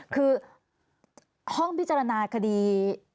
คือห้องพิจารณาคดี